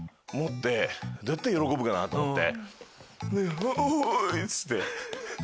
どうやったら喜ぶかな？って思って。